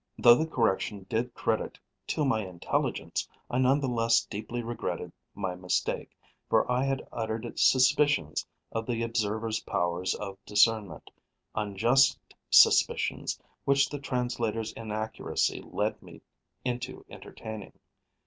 Though the correction did credit to my intelligence, I none the less deeply regretted my mistake, for I had uttered suspicions of the observer's powers of discernment, unjust suspicions which the translator's inaccuracy led me into entertaining.